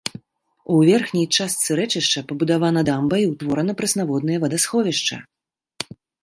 У верхняй частцы рэчышча пабудавана дамба і ўтворана прэснаводнае вадасховішча.